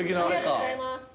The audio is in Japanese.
ありがとうございます。